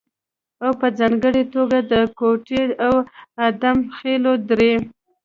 او په ځانګړې توګه د کوټې او ادم خېلو درې